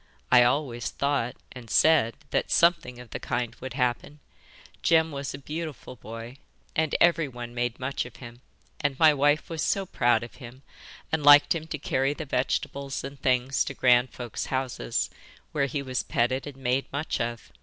I always thought and said that something of the kind would happen. Jem was a beautiful boy, and everyone made much of him, and my wife was so proud of him, and liked him to carry the vegetables and things to grand folks' houses, where he was petted and made much of.